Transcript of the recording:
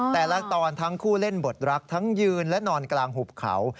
แต่ละตอนทั้งคู่เล่นบทรักทั้งยืนและนอนกลางหุบเขา